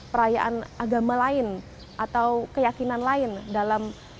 perayaan agama lain atau keyakinan lain dalam